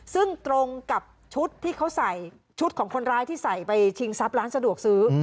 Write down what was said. ซึ่งตรงกับชุดที่เขาใส่ชุดของคนร้ายที่ใส่ไปชิงทรัพย์ร้านสะดวกซื้อ